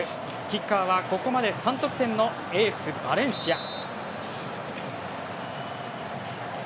キッカーはここまで３得点のエース、バレンシア。